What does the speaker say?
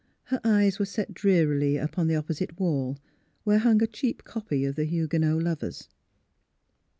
Her eyes were set drearily upon the opposite wall, where hung a cheap copy of the Huguenot lovers.